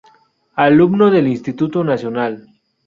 Alumno del Instituto Nacional.